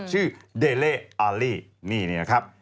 ชื่อเดเล่อาลี่นี่นะครับ